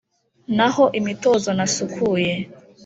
naho imitozo nasukuye